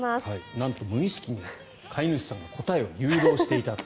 なんと無意識に飼い主さんが答えを誘導していたと。